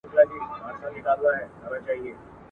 حتماً یې دا شعر هم لوستی دی ..